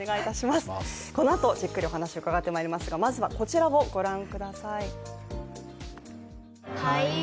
このあとじっくりお話を伺いたいと思いますがまずは、こちらをご覧ください。